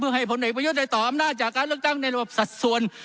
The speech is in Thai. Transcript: ให้ผลเอกประยุทธ์ได้ต่ออำนาจจากการเลือกตั้งในระบบสัดส่วน